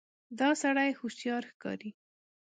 دا سړی هوښیار ښکاري.